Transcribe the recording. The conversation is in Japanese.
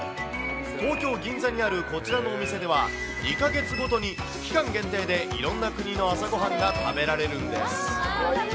東京・銀座にあるこちらのお店では、２か月ごとに期間限定で、いろんな国の朝ごはんが食べられるんです。